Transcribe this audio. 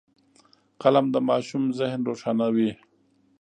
قلم د ماشوم ذهن روښانوي